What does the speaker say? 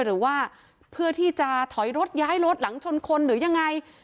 หรือว่าเพื่อที่จะถอยรถย้ายรถหลังชนคนหรือยังไง